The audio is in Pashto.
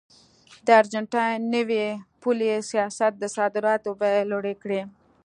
د ارجنټاین نوي پولي سیاست د صادراتو بیې لوړې کړې.